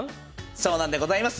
そうでございます。